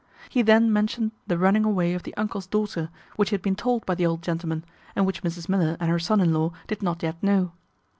He then mentioned the running away of the uncle's daughter, which he had been told by the old gentleman, and which Mrs Miller and her son in law did not yet know.